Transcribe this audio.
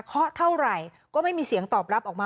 เท่าไหร่ก็ไม่มีเสียงตอบรับออกมา